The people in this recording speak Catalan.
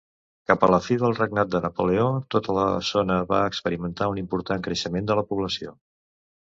Cap a la fi del regnat de Napoleó, tota la zona va experimentar un important creixement de la població.